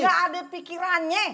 nggak ada pikirannya